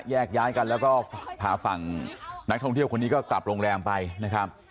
แยกย้ายกันแล้วก็พาฝั่งนักท่องเที่ยวคนนี้ก็กลับโรงแรมไปนะครับ